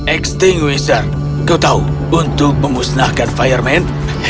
extinguisher kau tahu untuk memusnahkan fireman